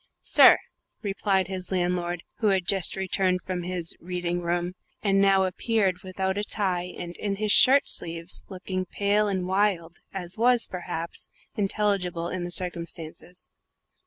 "Sir?" replied his landlord, who had just returned from his "reading room," and now appeared, without a tie and in his shirt sleeves, looking pale and wild, as was, perhaps, intelligible in the circumstances.